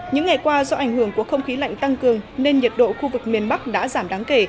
những ngày qua do ảnh hưởng của không khí lạnh tăng cường nên nhiệt độ khu vực miền bắc đã giảm đáng kể